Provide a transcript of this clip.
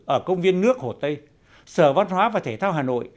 ở công viên nước hồ tây sở văn hóa và thể thao hà nội